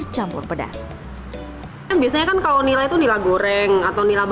dan peraduan kuliner kekinian